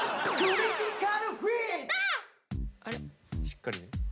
しっかり。